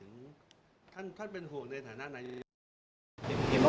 เห็นเมื่อวานที่มีให้สัมภาษณ์เรียนคุณทักศิลป์นะครับ